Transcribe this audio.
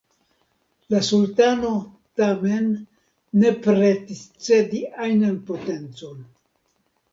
La Sultano, tamen, ne pretis cedi ajnan potencon.